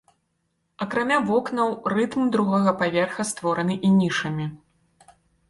Акрамя вокнаў рытм другога паверха створаны і нішамі.